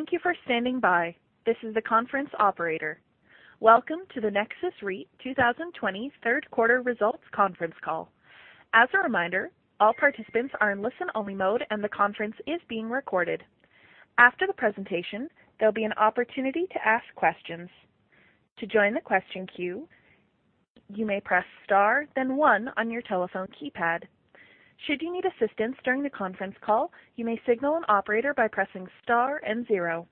Welcome to the Nexus REIT 2020 third quarter results conference call. As a reminder, all participants are in listen-only mode, and the conference is being recorded. After the presentation, there'll be an opportunity to ask questions. To join the question queue, you may press star then one on your telephone keypad. Should you need assistance during the conference call, you may signal an operator by pressing star and zero.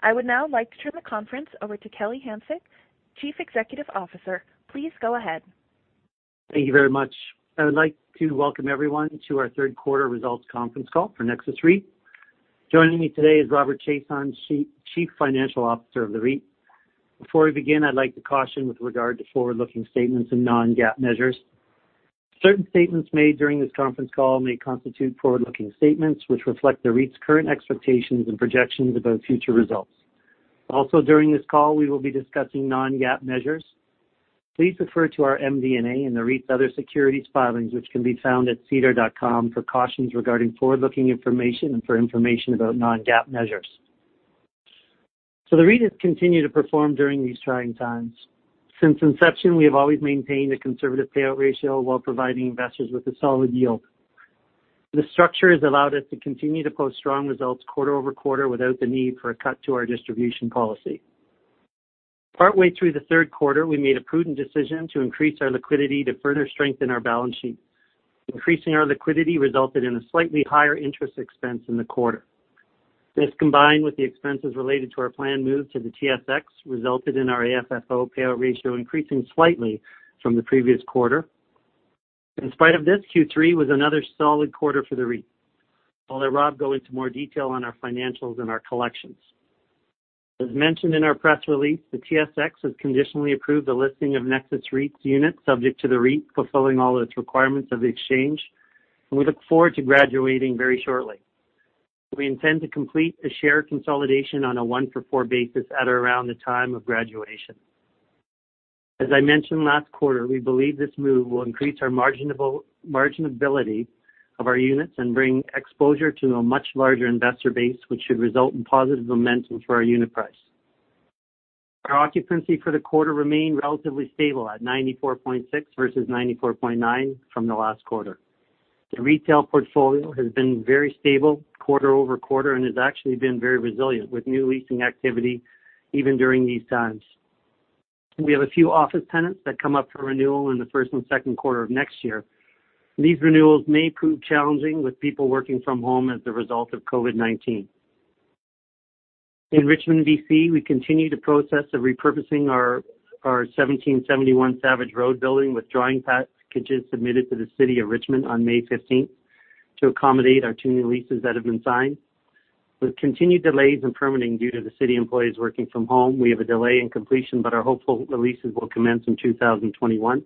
I would now like to turn the conference over to Kelly Hanczyk, Chief Executive Officer. Please go ahead. Thank you very much. I would like to welcome everyone to our third quarter results conference call for Nexus REIT. Joining me today is Robert Chiasson, Chief Financial Officer of the REIT. Before we begin, I'd like to caution with regard to forward-looking statements and non-GAAP measures. Certain statements made during this conference call may constitute forward-looking statements which reflect the REIT's current expectations and projections about future results. Also, during this call, we will be discussing non-GAAP measures. Please refer to our MD&A and the REIT's other securities filings, which can be found at sedar.com for cautions regarding forward-looking information and for information about non-GAAP measures. The REIT has continued to perform during these trying times. Since inception, we have always maintained a conservative payout ratio while providing investors with a solid yield. This structure has allowed us to continue to post strong results quarter-over-quarter without the need for a cut to our distribution policy. Partway through the third quarter, we made a prudent decision to increase our liquidity to further strengthen our balance sheet. Increasing our liquidity resulted in a slightly higher interest expense in the quarter. This, combined with the expenses related to our planned move to the TSX, resulted in our AFFO payout ratio increasing slightly from the previous quarter. In spite of this, Q3 was another solid quarter for the REIT. I'll let Rob go into more detail on our financials and our collections. As mentioned in our press release, the TSX has conditionally approved the listing of Nexus REIT's units subject to the REIT fulfilling all its requirements of the exchange. We look forward to graduating very shortly. We intend to complete the share consolidation on a one for four basis at around the time of graduation. As I mentioned last quarter, we believe this move will increase our marginability of our units and bring exposure to a much larger investor base, which should result in positive momentum for our unit price. Our occupancy for the quarter remained relatively stable at 94.6% versus 94.9% from the last quarter. The retail portfolio has been very stable quarter-over-quarter and has actually been very resilient with new leasing activity even during these times. We have a few office tenants that come up for renewal in the first and second quarter of next year. These renewals may prove challenging with people working from home as a result of COVID-19. In Richmond, B.C., we continue the process of repurposing our 1771 Savage Road building, with drawing packages submitted to the City of Richmond on May 15th to accommodate our two new leases that have been signed. With continued delays in permitting due to the city employees working from home, we have a delay in completion but are hopeful the leases will commence in 2021,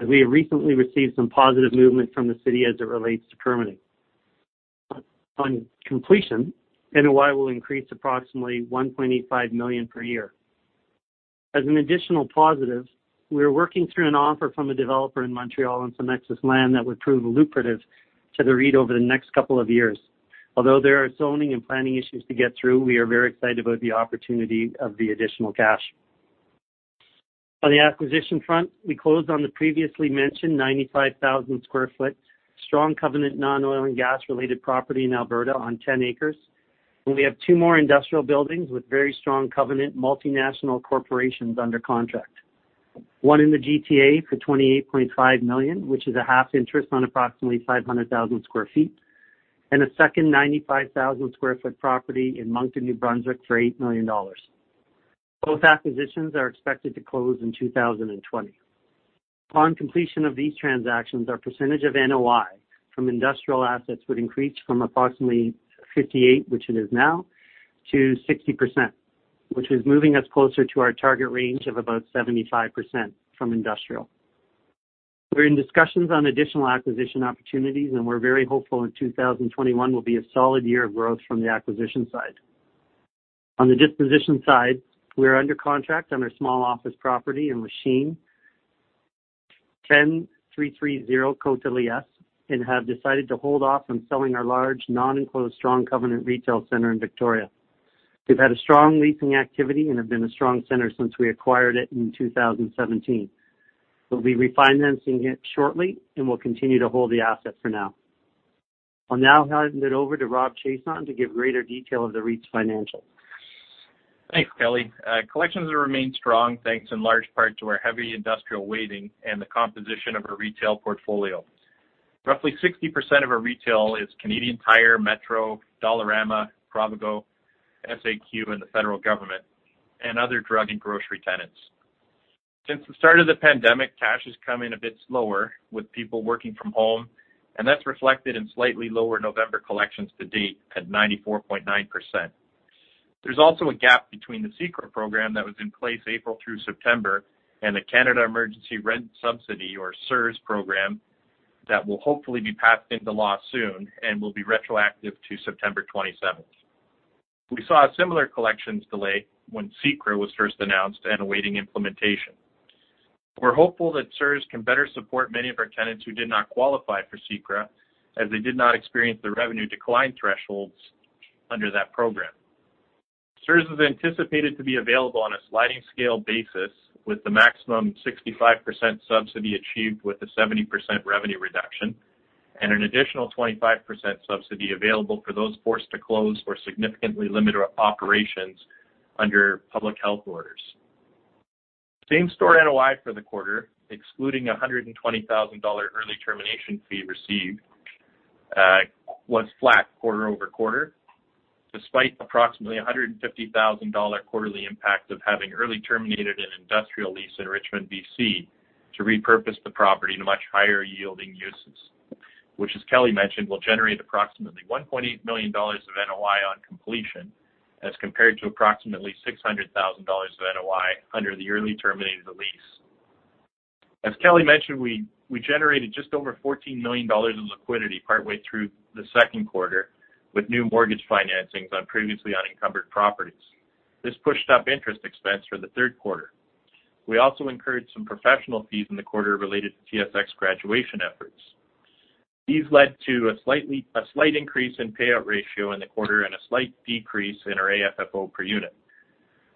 as we have recently received some positive movement from the City as it relates to permitting. On completion, NOI will increase approximately $1.85 million per year. As an additional positive, we are working through an offer from a developer in Montreal on some excess land that would prove lucrative to the REIT over the next couple of years. Although there are zoning and planning issues to get through, we are very excited about the opportunity of the additional cash. On the acquisition front, we closed on the previously mentioned 95,000 sq ft strong covenant non-oil and gas-related property in Alberta on 10 acres. We have two more industrial buildings with very strong covenant multinational corporations under contract. One in the GTA for $28.5 million, which is a half interest on approximately 500,000 sq ft. A second 95,000 sq ft property in Moncton, New Brunswick for $8 million. Both acquisitions are expected to close in 2020. Upon completion of these transactions, our percentage of NOI from industrial assets would increase from approximately 58%, which it is now, to 60%, which is moving us closer to our target range of about 75% from industrial. We're in discussions on additional acquisition opportunities. We're very hopeful that 2021 will be a solid year of growth from the acquisition side. On the disposition side, we are under contract on our small office property in Lachine, 10330 Côte-de-Liesse, and have decided to hold off on selling our large non-enclosed strong covenant retail center in Victoria. We've had a strong leasing activity and have been a strong center since we acquired it in 2017. We'll be refinancing it shortly and will continue to hold the asset for now. I'll now hand it over to Rob Chiasson to give greater detail of the REIT's financials. Thanks, Kelly. Collections remain strong, thanks in large part to our heavy industrial weighting and the composition of our retail portfolio. Roughly 60% of our retail is Canadian Tire, Metro, Dollarama, Provigo, SAQ, and the federal government, and other drug and grocery tenants. Since the start of the pandemic, cash has come in a bit slower with people working from home, and that's reflected in slightly lower November collections to date at 94.9%. There's also a gap between the CECRA program that was in place April through September and the Canada Emergency Rent Subsidy or CERS program that will hopefully be passed into law soon and will be retroactive to September 27th. We saw a similar collections delay when CECRA was first announced and awaiting implementation We're hopeful that CERS can better support many of our tenants who did not qualify for CECRA, as they did not experience the revenue decline thresholds under that program. CERS is anticipated to be available on a sliding scale basis with the maximum 65% subsidy achieved with a 70% revenue reduction and an additional 25% subsidy available for those forced to close or significantly limit operations under public health orders. Same-store NOI for the quarter, excluding $120,000 early termination fee received, was flat quarter-over-quarter, despite approximately $150,000 quarterly impact of having early terminated an industrial lease in Richmond, B.C. to repurpose the property to much higher yielding uses. Which as Kelly mentioned, will generate approximately $1.8 million of NOI on completion, as compared to approximately $600,000 of NOI under the early terminated lease. As Kelly mentioned, we generated just over $14 million in liquidity partway through the second quarter with new mortgage financings on previously unencumbered properties. This pushed up interest expense for the third quarter. We also incurred some professional fees in the quarter related to TSX graduation efforts. These led to a slight increase in payout ratio in the quarter and a slight decrease in our AFFO per unit.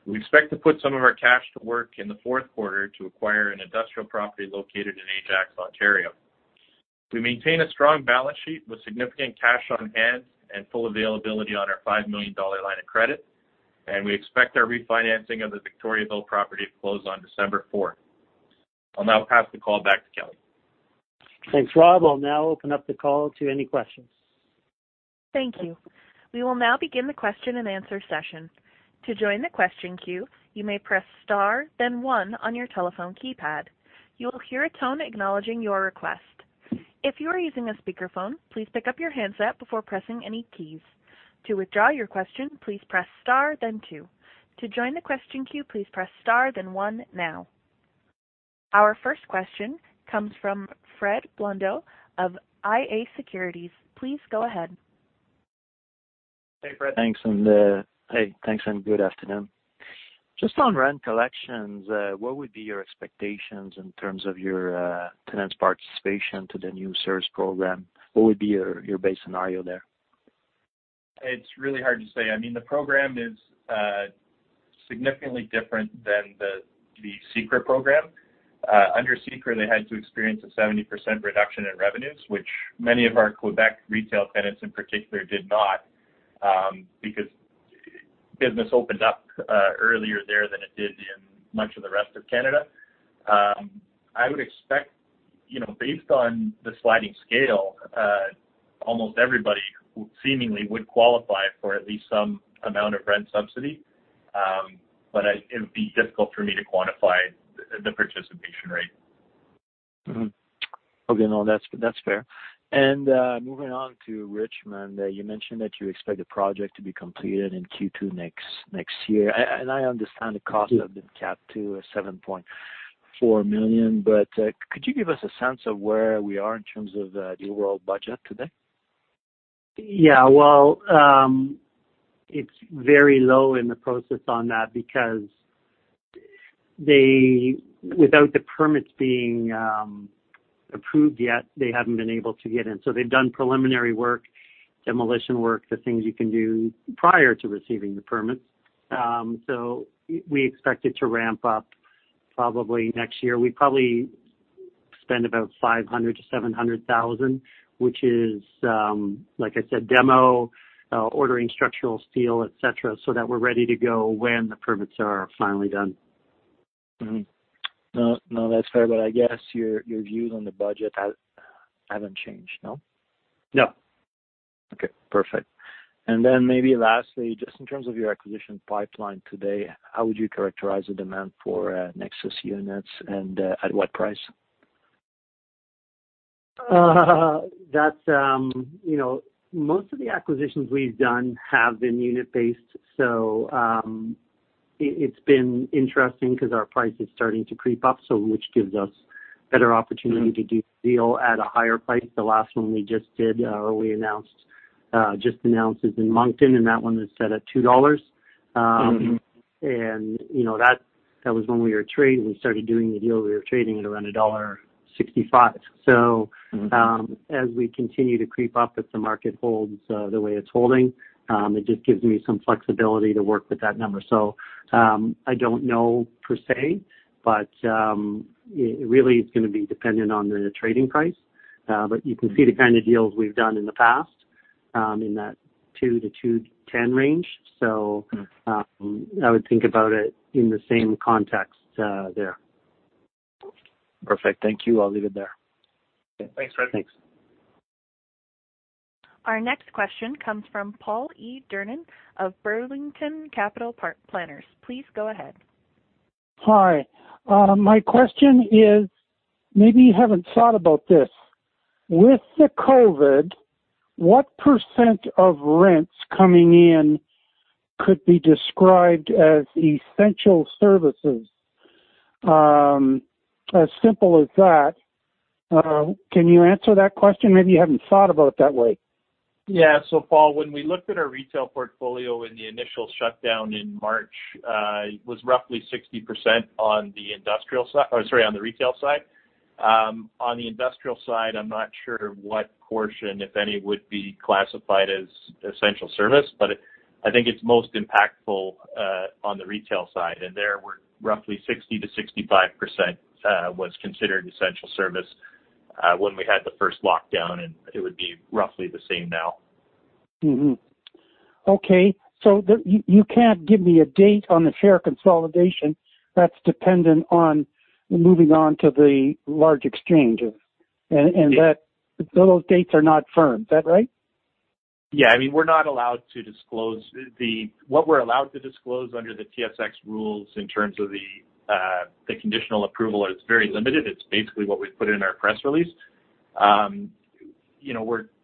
We expect to put some of our cash to work in the fourth quarter to acquire an industrial property located in Ajax, Ontario. We maintain a strong balance sheet with significant cash on hand and full availability on our $5 million line of credit, and we expect our refinancing of the Victoriaville property to close on December 4th. I'll now pass the call back to Kelly. Thanks, Rob. I'll now open up the call to any questions. Thank you. We will now begin the question-and-answer session. To join the question queue, you may press star then one on your telephone keypad. You'll hear a tone acknowledging your request. If you're using a speakerphone, please pick up your handset before pressing any keys. To withdraw your question, please press star then two. To join the question queue, please press star then one now. Our first question comes from Fred Blondeau of iA Securities. Please go ahead. Hey, Fred. Thanks, good afternoon. Just on rent collections, what would be your expectations in terms of your tenants' participation to the new CERS program? What would be your base scenario there? It's really hard to say. I mean, the program is significantly different than the CECRA program. Under CECRA, they had to experience a 70% reduction in revenues, which many of our Quebec retail tenants in particular did not because business opened up earlier there than it did in much of the rest of Canada. I would expect based on the sliding scale almost everybody seemingly would qualify for at least some amount of rent subsidy. It would be difficult for me to quantify the participation rate. Mm-hmm. Okay. No, that's fair. Then moving on to Richmond, you mentioned that you expect the project to be completed in Q2 next year. I understand the cost have been capped to $7.4 million, but could you give us a sense of where we are in terms of your overall budget today? Yeah. Well, it's very low in the process on that because without the permits being approved yet, they haven't been able to get in. They've done preliminary work, demolition work, the things you can do prior to receiving the permits. We expect it to ramp up probably next year. We probably spend about $500,000-$700,000, which is, like I said, demo, ordering structural steel, et cetera, so that we're ready to go when the permits are finally done. Mm-hmm. No, that's fair. I guess your views on the budget haven't changed, no? No. Okay, perfect. Then maybe lastly, just in terms of your acquisition pipeline today, how would you characterize the demand for Nexus units and at what price? Most of the acquisitions we've done have been unit-based. It's been interesting because our price is starting to creep up, which gives us better opportunity to do a deal at a higher price. The last one we just did, or we just announced, is in Moncton, and that one is set at $2. Mm-hmm. That was when we were trading. We started doing the deal, we were trading at around $1.65. Mm-hmm. As we continue to creep up, if the market holds the way it's holding, it just gives me some flexibility to work with that number. I don't know per se, but really it's going to be dependent on the trading price. You can see the kind of deals we've done in the past, in that $2-$2.10 range. Mm-hmm. I would think about it in the same context there. Perfect. Thank you. I'll leave it there. Okay. Thanks, Fred. Thanks. Our next question comes from Paul E. Durnin of Burlington Capital Planners. Please go ahead. Hi. My question is, maybe you haven't thought about this. With the COVID, what percent of rents coming in could be described as essential services? As simple as that. Can you answer that question? Maybe you haven't thought about it that way. Yeah. Paul, when we looked at our retail portfolio in the initial shutdown in March, it was roughly 60% on the retail side. On the industrial side, I'm not sure what portion, if any, would be classified as essential service. I think it's most impactful on the retail side. There were roughly 60%-65% was considered essential service when we had the first lockdown, and it would be roughly the same now. Mm-hmm. Okay. You can't give me a date on the share consolidation that's dependent on moving on to the large exchange. That those dates are not firm, is that right? Yeah, we're not allowed to disclose what we're allowed to disclose under the TSX rules in terms of the conditional approval is very limited. It's basically what we've put in our press release.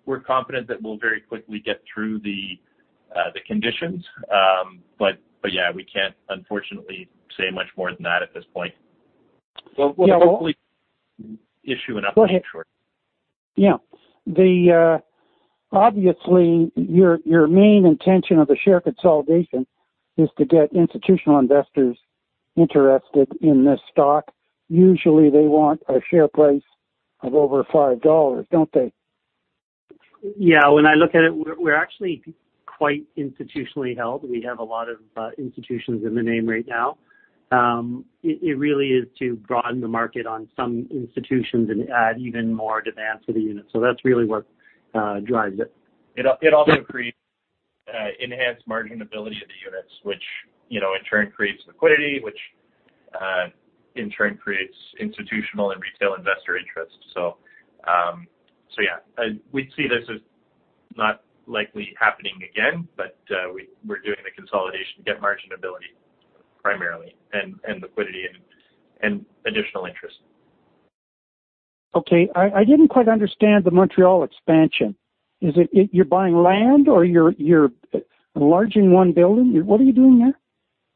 We're confident that we'll very quickly get through the conditions. Yeah, we can't unfortunately say much more than that at this point. We'll hopefully issue an update shortly. Yeah. Obviously, your main intention of the share consolidation is to get institutional investors interested in this stock. Usually, they want a share price of over $5, don't they? Yeah. When I look at it, we're actually quite institutionally held. We have a lot of institutions in the name right now. It really is to broaden the market on some institutions and add even more demand for the unit. That's really what drives it. It also creates enhanced margin ability of the units, which in turn creates liquidity, which in turn creates institutional and retail investor interest. Yeah. We see this as not likely happening again, but we're doing the consolidation to get margin ability primarily and liquidity and additional interest. Okay. I didn't quite understand the Montreal expansion. Is it you're buying land or you're enlarging one building? What are you doing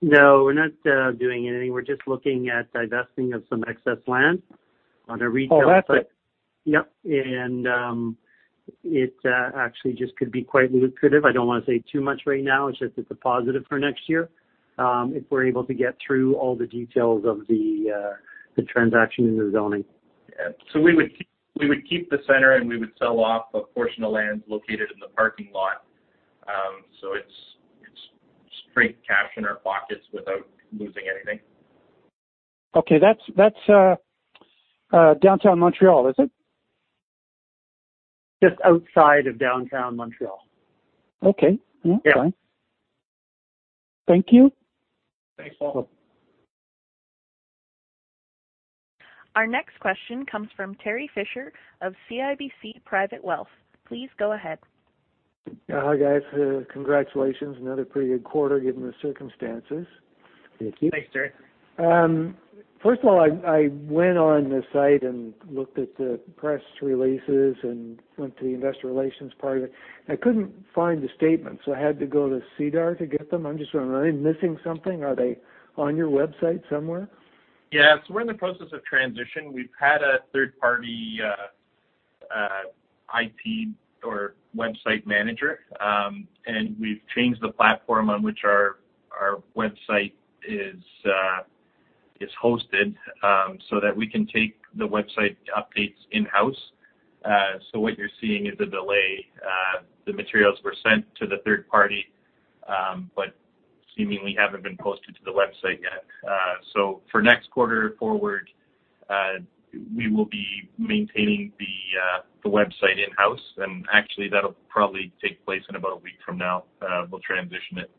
there? No, we're not doing anything. We're just looking at divesting of some excess land on a retail. Oh, that's it. Yep. It actually just could be quite lucrative. I don't want to say too much right now. It's just, it's a positive for next year, if we're able to get through all the details of the transaction and the zoning. Yeah. We would keep the center, and we would sell off a portion of land located in the parking lot. It's straight cash in our pockets without losing anything. Okay. That's Downtown Montreal, is it? Just outside of Downtown Montreal. Okay. Yeah. That's fine. Thank you. Thanks, Paul. Our next question comes from Terry Fisher of CIBC Private Wealth. Please go ahead. Hi, guys. Congratulations. Another pretty good quarter given the circumstances. Thank you. Thanks, Terry. First of all, I went on the site and looked at the press releases and went to the investor relations part of it. I couldn't find the statements, so I had to go to SEDAR to get them. I'm just wondering, am I missing something? Are they on your website somewhere? Yeah. We're in the process of transition. We've had a third-party IT or website manager, and we've changed the platform on which our website is hosted, so that we can take the website updates in-house. What you're seeing is a delay. The materials were sent to the third party, but seemingly haven't been posted to the website yet. For next quarter forward, we will be maintaining the website in-house, and actually that'll probably take place in about a week from now. We'll transition it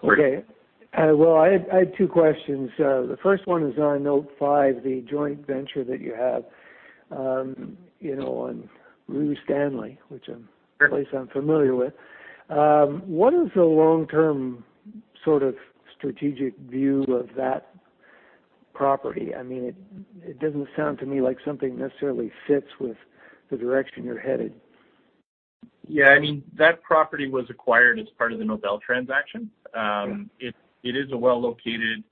forward. Okay. Well, I had two questions. The first one is on note five, the joint venture that you have on Rue Stanley, which I'm at least I'm familiar with. What is the long-term sort of strategic view of that property? I mean it doesn't sound to me like something necessarily fits with the direction you're headed. Yeah. I mean that property was acquired as part of the Nobel transaction. Yeah. It is a well-located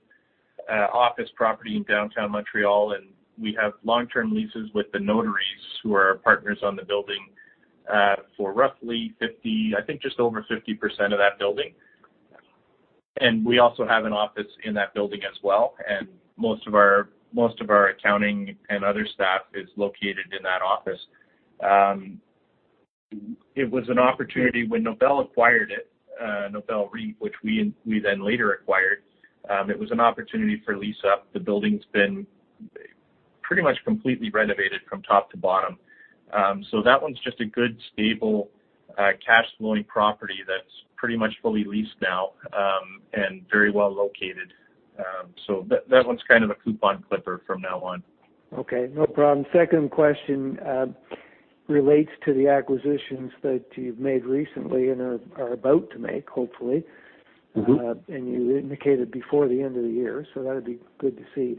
office property in Downtown Montreal, and we have long-term leases with the notaries who are our partners on the building, for roughly 50, I think just over 50% of that building. We also have an office in that building as well, and most of our accounting and other staff is located in that office. It was an opportunity when Nobel acquired it, Nobel REIT, which we then later acquired. It was an opportunity for lease-up. The building's been pretty much completely renovated from top to bottom. That one's just a good, stable, cash-flowing property that's pretty much fully leased now, and very well located. That one's kind of a coupon clipper from now on. Okay. No problem. Second question relates to the acquisitions that you've made recently and are about to make, hopefully. Mm-hmm. You indicated before the end of the year, so that'd be good to see.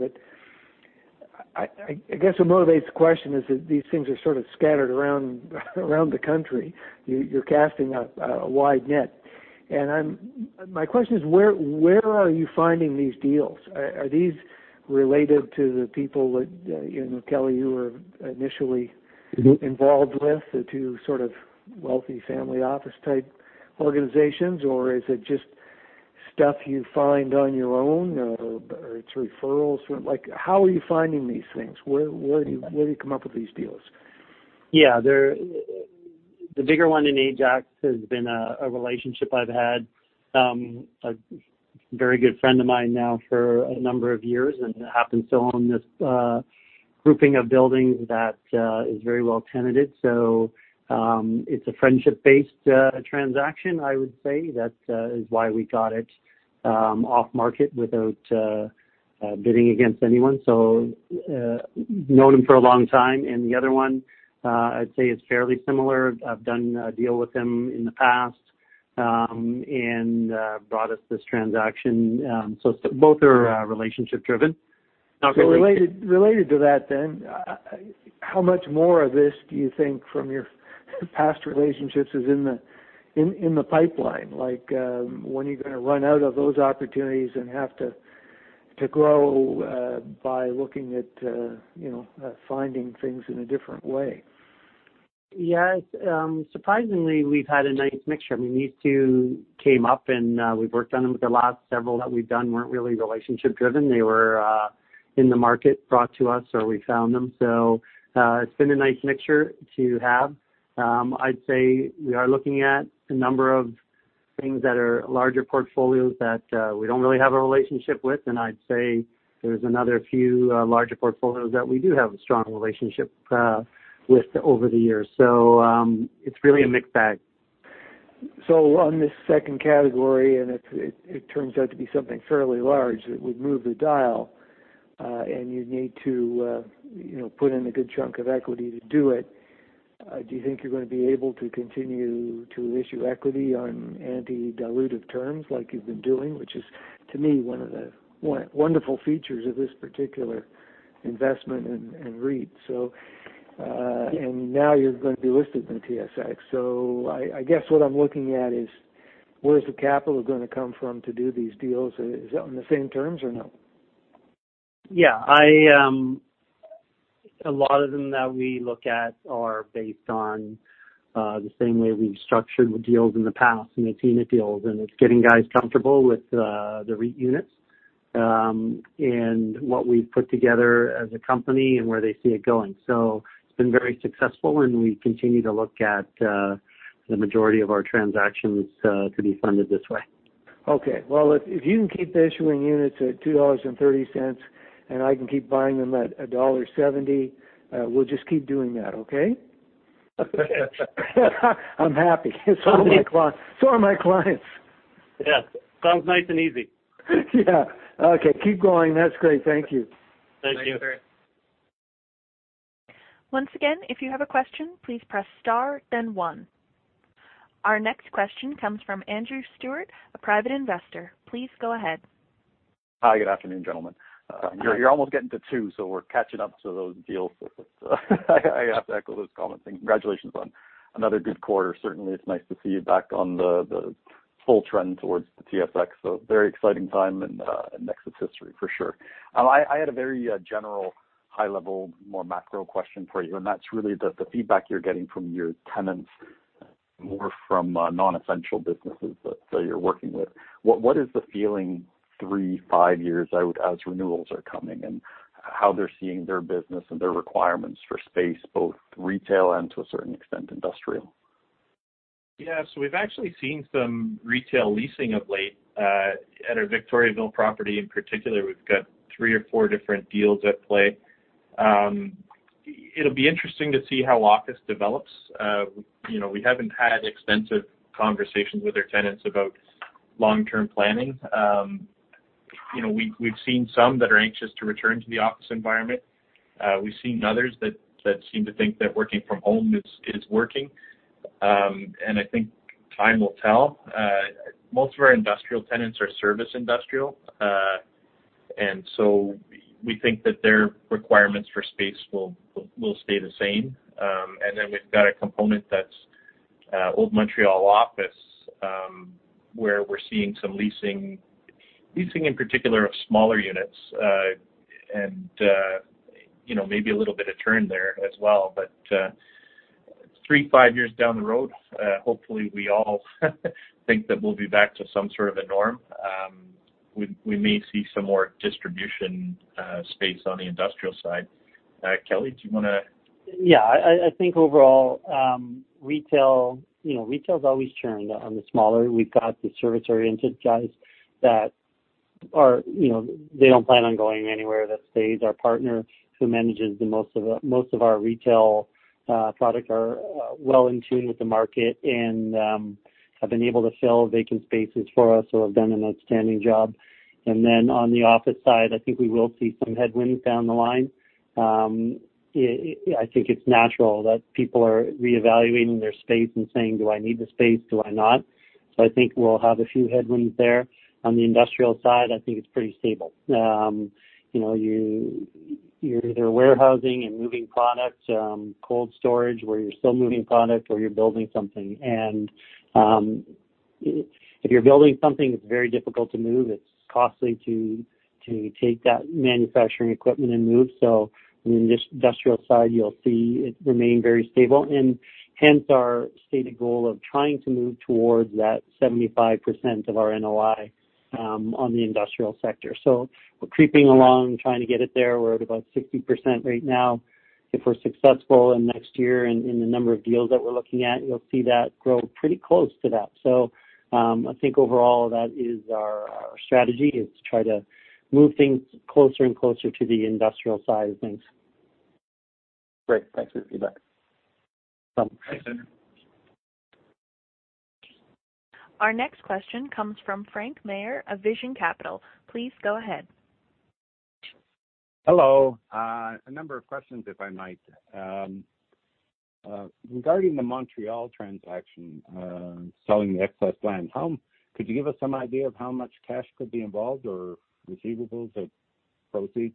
I guess what motivates the question is that these things are sort of scattered around the country. You're casting a wide net. My question is, where are you finding these deals? Are these related to the people that, Kelly, you were initially involved with, the two sort of wealthy family office type organizations, or is it just stuff you find on your own, or it's referrals? How are you finding these things? Where do you come up with these deals? Yeah. The bigger one in Ajax has been a relationship I've had. A very good friend of mine now for a number of years and happens to own this grouping of buildings that is very well tenanted. It's a friendship-based transaction, I would say. That is why we got it off-market without bidding against anyone. Known him for a long time. The other one, I'd say is fairly similar. I've done a deal with him in the past, and brought us this transaction. Both are relationship-driven. Related to that, how much more of this do you think from your past relationships is in the pipeline? When are you going to run out of those opportunities and have to grow by looking at finding things in a different way? Yes. Surprisingly, we've had a nice mixture. These two came up, and we've worked on them with the last several that we've done weren't really relationship-driven. They were in the market brought to us, or we found them. It's been a nice mixture to have. I'd say we are looking at a number of things that are larger portfolios that we don't really have a relationship with, and I'd say there's another few larger portfolios that we do have a strong relationship with over the years. It's really a mixed bag. On this second category, and it turns out to be something fairly large that would move the dial, and you'd need to put in a good chunk of equity to do it. Do you think you're going to be able to continue to issue equity on anti-dilutive terms like you've been doing, which is, to me, one of the wonderful features of this particular investment in REIT? Now you're going to be listed in TSX. I guess what I'm looking at is, where is the capital going to come from to do these deals? Is that on the same terms or no? Yeah. A lot of them that we look at are based on the same way we've structured the deals in the past and maintained the deals, and it's getting guys comfortable with the REIT units. What we've put together as a company and where they see it going. It's been very successful, and we continue to look at the majority of our transactions to be funded this way. Okay. Well, if you can keep issuing units at $2.30 and I can keep buying them at $1.70, we'll just keep doing that, okay? I'm happy. So are my clients. Yeah. Sounds nice and easy. Yeah. Okay. Keep going. That's great. Thank you. Thank you. Once again, if you have a question, please press star then one. Our next question comes from Andrew Stewart, a private investor. Please go ahead. Hi. Good afternoon, gentlemen. You're almost getting to two, so we're catching up to those deals. I have to echo those comments and congratulations on another good quarter. Certainly, it's nice to see you back on the full trend towards the TSX. Very exciting time in Nexus history for sure. I had a very general high level, more macro question for you, and that's really the feedback you're getting from your tenants, more from non-essential businesses that you're working with. What is the feeling three, five years out as renewals are coming and how they're seeing their business and their requirements for space, both retail and to a certain extent, industrial? Yeah. We've actually seen some retail leasing of late. At our Victoriaville property in particular, we've got three or four different deals at play. It'll be interesting to see how office develops. We haven't had extensive conversations with our tenants about long-term planning. We've seen some that are anxious to return to the office environment. We've seen others that seem to think that working from home is working. I think time will tell. Most of our industrial tenants are service industrial. We think that their requirements for space will stay the same. We've got a component that's Old Montreal office, where we're seeing some leasing in particular of smaller units, and maybe a little bit of turn there as well. Three, five years down the road, hopefully we all think that we'll be back to some sort of a norm. We may see some more distribution space on the industrial side. Kelly, do you want to add? Yeah. I think overall retail is always churning on the smaller. We've got the service-oriented guys that they don't plan on going anywhere, that stays our partner who manages the most of our retail product are well in tune with the market and have been able to fill vacant spaces for us or have done an outstanding job. On the office side, I think we will see some headwinds down the line. I think it's natural that people are reevaluating their space and saying, "do I need the space? Do I not?" I think we'll have a few headwinds there. On the industrial side, I think it's pretty stable. You're either warehousing and moving product, cold storage where you're still moving product or you're building something. If you're building something, it's very difficult to move. It's costly to take that manufacturing equipment and move. In the industrial side, you'll see it remain very stable, and hence our stated goal of trying to move towards that 75% of our NOI on the industrial sector. We're creeping along, trying to get it there. We're at about 60% right now. If we're successful in next year in the number of deals that we're looking at, you'll see that grow pretty close to that. I think overall, that is our strategy, is to try to move things closer and closer to the industrial side of things. Great. Thanks for the feedback. Welcome. Thanks. Our next question comes from Frank Mayer of Vision Capital. Please go ahead. Hello. A number of questions, if I might. Regarding the Montreal transaction, selling the excess land, could you give us some idea of how much cash could be involved or receivables or proceeds?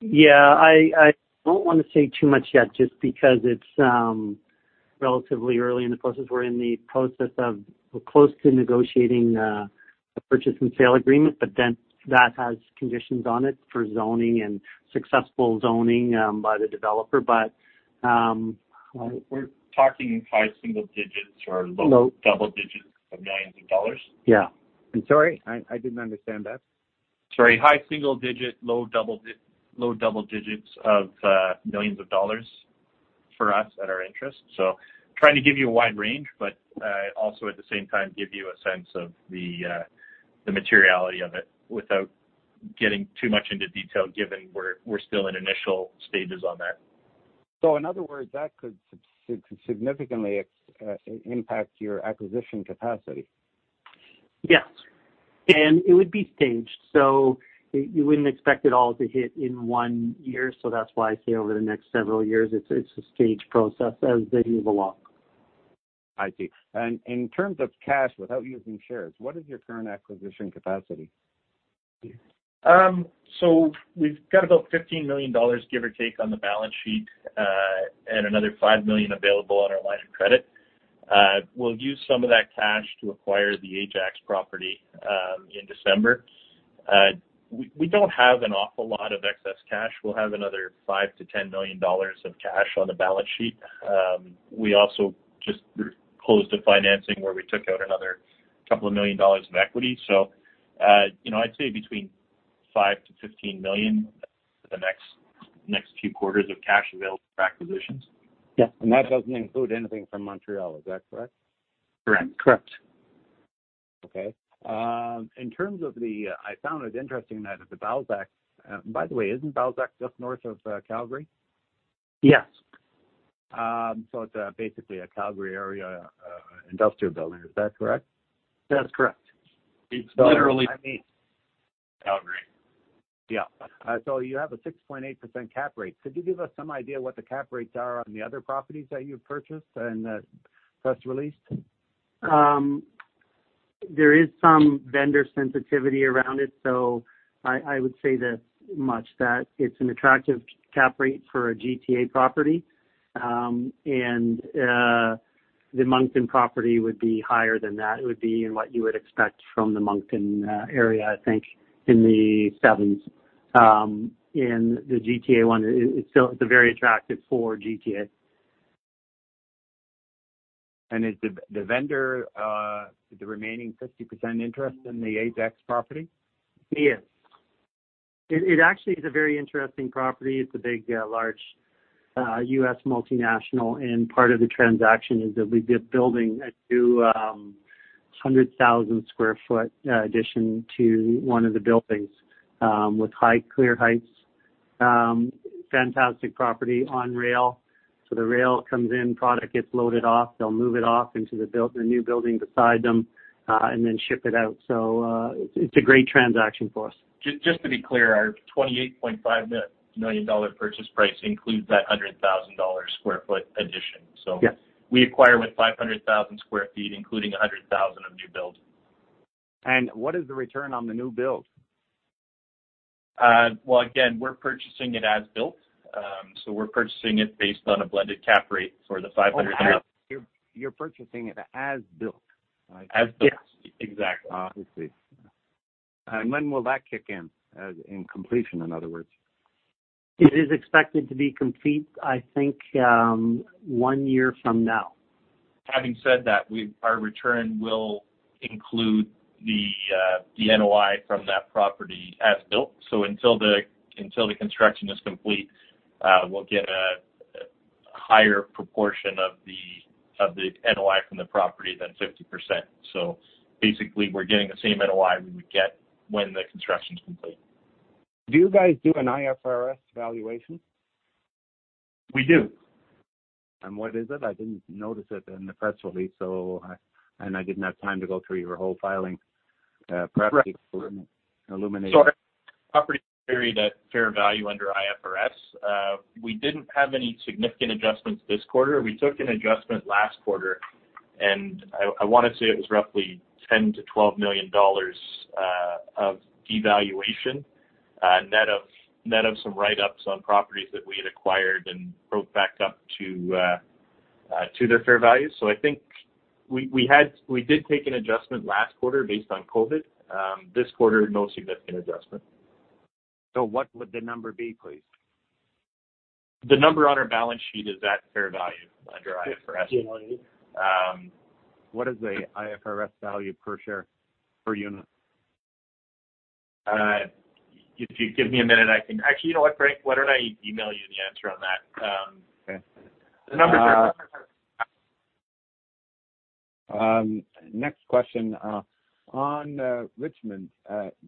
Yeah, I don't want to say too much yet just because it's relatively early in the process. We're close to negotiating a purchase and sale agreement, but then that has conditions on it for zoning and successful zoning by the developer. We're talking high single digits or low double digits of millions of dollars. Yeah. I'm sorry, I didn't understand that. Sorry. High single-digit, low double-digits of millions of dollars for us at our interest. Trying to give you a wide range, but also at the same time, give you a sense of the materiality of it without getting too much into detail, given we're still in initial stages on that. In other words, that could significantly impact your acquisition capacity. Yes. It would be staged, you wouldn't expect it all to hit in one year. That's why I say over the next several years, it's a staged process as they move along. I see. In terms of cash, without using shares, what is your current acquisition capacity? We've got about $15 million, give or take, on the balance sheet, and another $5 million available on our line of credit. We'll use some of that cash to acquire the Ajax property, in December. We don't have an awful lot of excess cash. We'll have another $5 million-$10 million of cash on the balance sheet. We also just closed a financing where we took out another couple of million dollars of equity. I'd say between $5 million-$15 million for the next few quarters of cash available for acquisitions. Yeah. That doesn't include anything from Montreal. Is that correct? Correct. Correct. Okay. I found it interesting that at the Balzac. By the way, isn't Balzac just north of Calgary? Yes. It's basically a Calgary area industrial building. Is that correct? That is correct. It's literally. I mean. Calgary. Yeah. You have a 6.8% cap rate. Could you give us some idea what the cap rates are on the other properties that you've purchased and that first released? There is some vendor sensitivity around it, so I would say this much, that it's an attractive cap rate for a GTA property. The Moncton property would be higher than that. It would be in what you would expect from the Moncton area, I think in the sevens. In the GTA one, it's still very attractive for GTA. And the vendor the remaining 50% interest in the Ajax property? Yes. It actually is a very interesting property. It's a big, large, U.S. multinational. Part of the transaction is that we'd be building a new 200,000 sq ft in addition to one of the buildings, with high clear heights. Fantastic property on rail. The rail comes in, product gets loaded off, they'll move it off into the new building beside them, then ship it out. It's a great transaction for us. Just to be clear, our $28.5 million purchase price includes that 100,000 square foot addition. Yeah. We acquire with 500,000 sq ft, including 100,000 sq ft of new build. What is the return on the new build? Well, again, we're purchasing it as-built. We're purchasing it based on a blended cap rate for the 500,000 sq ft. Oh, you're purchasing it as-built? As-built. Yes. Exactly. I see. When will that kick in? In completion, in other words. It is expected to be complete, I think, one year from now. Having said that, our return will include the NOI from that property as-built. Until the construction is complete, we'll get a higher proportion of the NOI from the property than 50%. Basically, we're getting the same NOI we would get when the construction's complete. Do you guys do an IFRS valuation? We do. What is it? I didn't notice it in the press release, and I didn't have time to go through your whole filing. Perhaps you could illuminate. Sure. Property carried at fair value under IFRS. We didn't have any significant adjustments this quarter. We took an adjustment last quarter, and I want to say it was roughly $10 million-$12 million of devaluation. Net of some write-ups on properties that we had acquired and broke back up to their fair value. I think we did take an adjustment last quarter based on COVID. This quarter, no significant adjustment. What would the number be, please? The number on our balance sheet is at fair value under IFRS. [GLA]. What is the IFRS value per share, per unit? If you give me a minute. Actually, you know what, Frank? Why don't I email you the answer on that? Okay. The numbers are. Next question. On Richmond,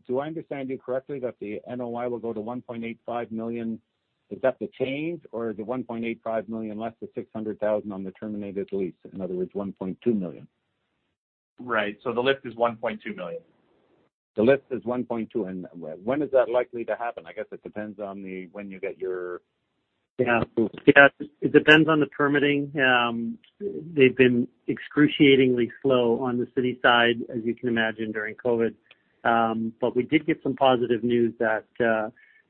do I understand you correctly that the NOI will go to $1.85 million? Is that the change or the $1.85 million less the $600,000 on the terminated lease, in other words, $1.2 million? Right. The lift is $1.2 million. The lift is $1.2 million. When is that likely to happen? I guess it depends on when you get. It depends on the permitting. They've been excruciatingly slow on the city side, as you can imagine, during COVID. We did get some positive news that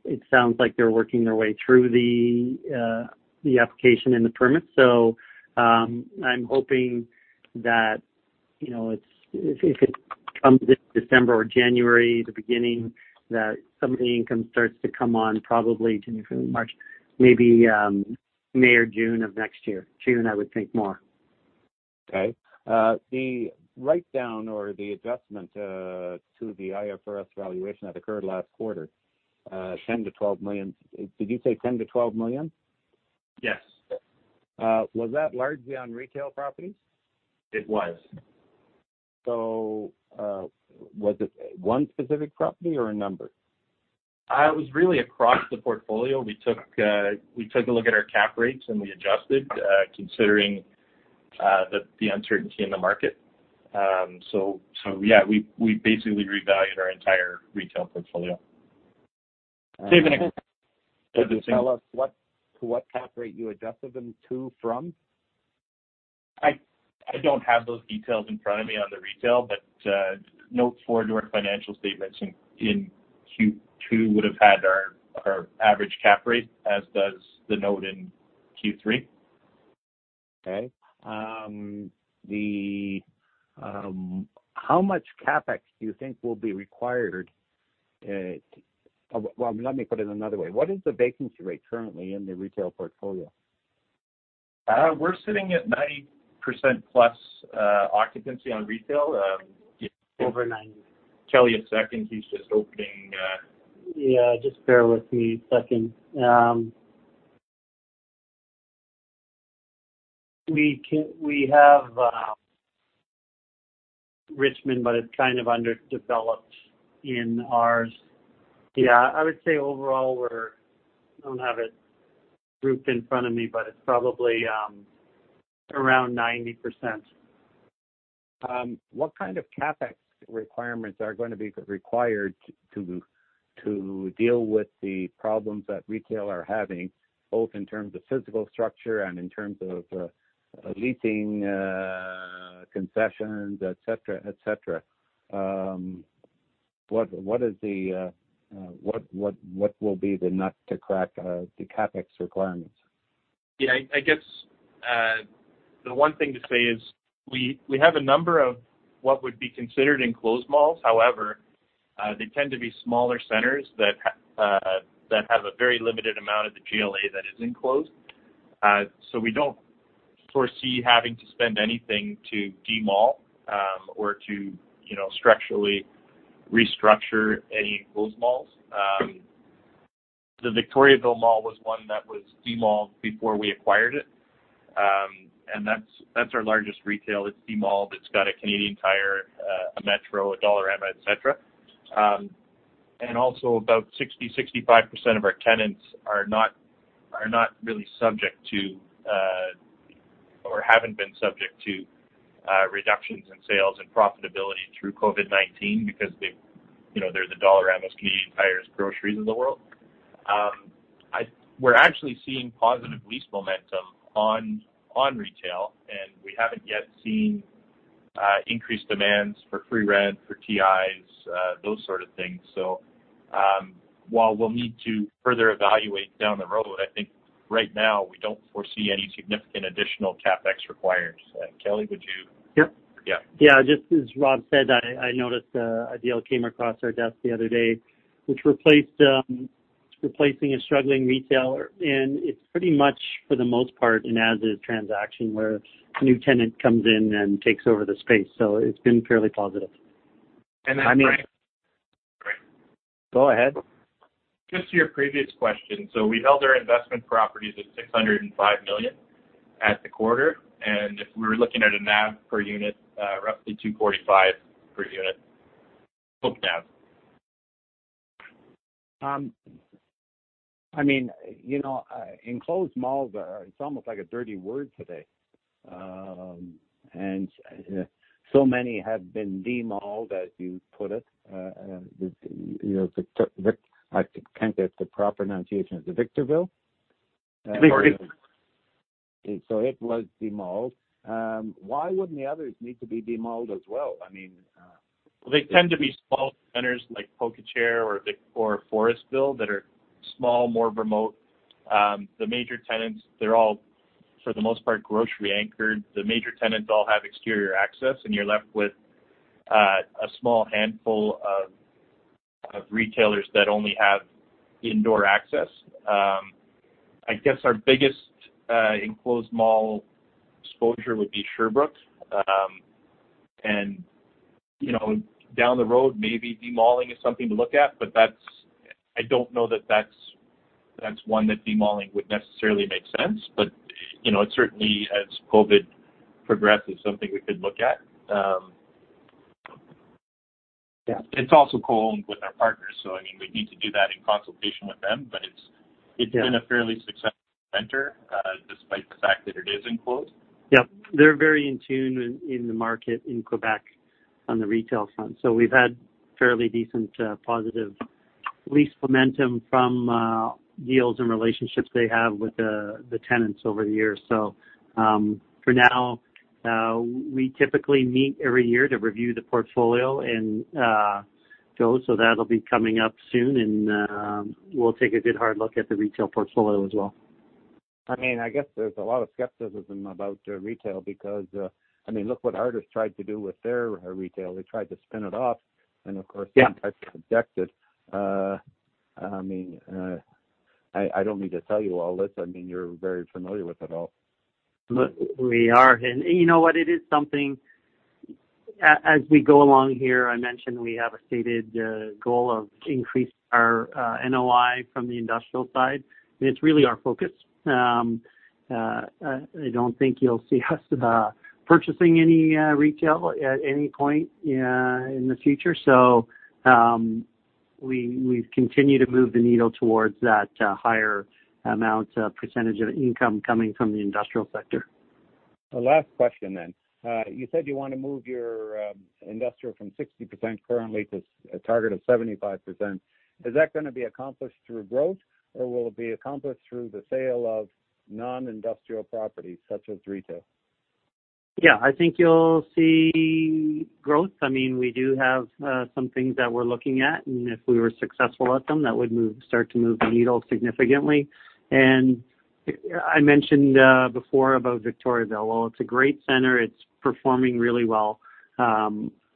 it sounds like they're working their way through the application and the permits. I'm hoping that if it comes this December or January, the beginning, that some of the income starts to come on probably March, maybe May or June of next year. June, I would think more. Okay. The write-down or the adjustment to the IFRS valuation that occurred last quarter, $10 million-$12 million. Did you say $10 million-$12 million? Yes. Was that largely on retail properties? It was. Was it one specific property or a number? It was really across the portfolio. We took a look at our cap rates, and we adjusted, considering the uncertainty in the market. Yeah, we basically revalued our entire retail portfolio. Can you tell us to what cap rate you adjusted them to from? I don't have those details in front of me on the retail, but note four in our financial statements in Q2 would've had our average cap rate, as does the note in Q3. Okay. How much CapEx do you think will be required? Well, let me put it another way. What is the vacancy rate currently in the retail portfolio? We're sitting at 90%+ occupancy on retail. Over 90%. Tell you in a second. Yes. Just bear with me a second. We have Richmond, but it's kind of underdeveloped in ours. Yeah. I would say overall we're, I don't have it grouped in front of me, but it's probably around 90%. What kind of CapEx requirements are going to be required to deal with the problems that retail are having, both in terms of physical structure and in terms of leasing concessions, et cetera, et cetera? What will be the nut to crack the CapEx requirements? Yeah, I guess the one thing to say is we have a number of what would be considered enclosed malls. However, they tend to be smaller centers that have a very limited amount of the GLA that is enclosed. We don't foresee having to spend anything to de-mall or to structurally restructure any closed malls. The Victoriaville Mall was one that was de-malled before we acquired it, and that's our largest retail. It's de-malled. It's got a Canadian Tire, a Metro, a Dollarama, et cetera. Also, about 60%, 65% of our tenants are not really subject to or haven't been subject to reductions in sales and profitability through COVID-19 because they're the Dollaramas, Canadian Tires, groceries of the world. We're actually seeing positive lease momentum on retail, and we haven't yet seen increased demands for free rent, for TIs, those sort of things. While we'll need to further evaluate down the road, I think right now we don't foresee any significant additional CapEx required. Kelly, would you? Yep. Yeah. Yeah. Just as Rob said, I noticed a deal came across our desk the other day, which replacing a struggling retailer. It's pretty much, for the most part, an as-is transaction where a new tenant comes in and takes over the space. It's been fairly positive. Frank. Go ahead. Just to your previous question. We held our investment properties at $605 million at the quarter. If we were looking at a NAV per unit, roughly $2.45 per unit book NAV. I mean enclosed malls are, it's almost like a dirty word today. So many have been de-malled, as you put it. I can't get the proper pronunciation of it. Victoriaville? Victoriaville. It was de-malled. Why wouldn't the others need to be de-malled as well? Well, they tend to be small centers like Pocatière or Forestville that are small, more remote. The major tenants, they're all, for the most part, grocery anchored. The major tenants all have exterior access, and you're left with a small handful of retailers that only have indoor access. I guess our biggest enclosed mall exposure would be Sherbrooke. Down the road, maybe de-malling is something to look at, but I don't know that's one that de-malling would necessarily make sense. Certainly as COVID progresses, something we could look at. Yeah. It's also co-owned with our partners, so we'd need to do that in consultation with them. Yeah. Been a fairly successful center, despite the fact that it is enclosed. Yep. They're very in tune in the market in Quebec on the retail front. We've had fairly decent positive lease momentum from deals and relationships they have with the tenants over the years. For now, we typically meet every year to review the portfolio, [Joe], so that'll be coming up soon and we'll take a good hard look at the retail portfolio as well. I mean, I guess there's a lot of skepticism about retail because look what Artis tried to do with their retail. They tried to spin it off. Yeah. It got rejected. I don't need to tell you all this, you're very familiar with it all. We are. You know what? It is something, as we go along here, I mentioned we have a stated goal of increasing our NOI from the industrial side, and it's really our focus. I don't think you'll see us purchasing any retail at any point in the future. We continue to move the needle towards that higher amount percentage of income coming from the industrial sector. The last question then. You said you want to move your industrial from 60% currently to a target of 75%. Is that going to be accomplished through growth? Or will it be accomplished through the sale of non-industrial properties such as retail? Yeah. I think you'll see growth. We do have some things that we're looking at, and if we were successful at them, that would start to move the needle significantly. I mentioned before about Victoriaville. While it's a great center, it's performing really well.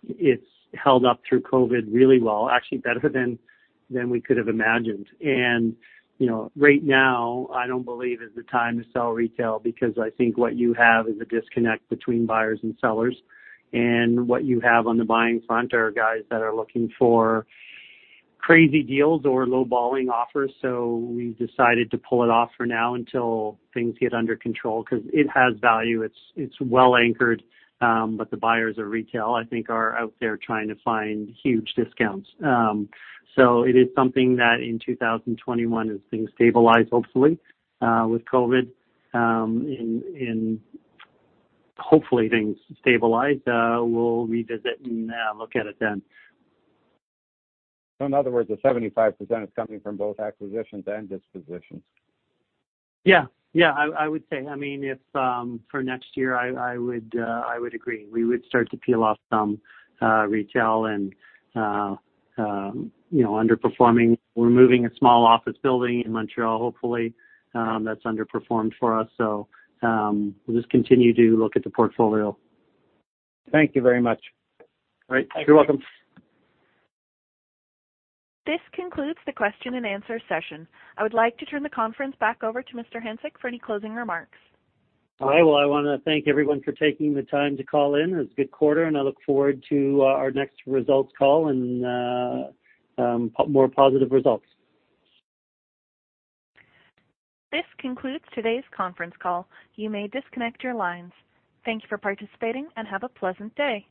It's held up through COVID really well, actually better than we could've imagined. Right now I don't believe is the time to sell retail because I think what you have is a disconnect between buyers and sellers. What you have on the buying front are guys that are looking for crazy deals or low-balling offers. We've decided to pull it off for now until things get under control, because it has value. It's well-anchored. The buyers of retail, I think, are out there trying to find huge discounts. It is something that in 2021, as things stabilize, hopefully with COVID, and hopefully things stabilize, we'll revisit and look at it then. In other words, the 75% is coming from both acquisitions and dispositions. Yeah. I would say. If for next year, I would agree. We would start to peel off some retail and underperforming. We're moving a small office building in Montreal, hopefully, that's underperformed for us. We'll just continue to look at the portfolio. Thank you very much. Great. You're welcome. This concludes the question and answer session. I would like to turn the conference back over to Mr. Hanczyk for any closing remarks. Hi. Well, I want to thank everyone for taking the time to call in. It's a good quarter, and I look forward to our next results call and more positive results. This concludes today's conference call. You may disconnect your lines. Thank you for participating and have a pleasant day.